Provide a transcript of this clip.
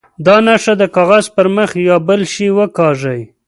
دا نښه د کاغذ پر مخ یا بل شي وکاږي.